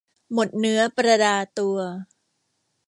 หมดเนื้อประดาตัว